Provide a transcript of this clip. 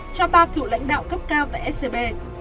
cho ba cựu lãnh đạo cấp cao tại scb